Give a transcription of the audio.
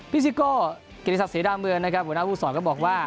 พี่ซิโก้เกณฑศาสตรีด้านเมืองนะครับหัวหน้าผู้สอนก็บอกว่า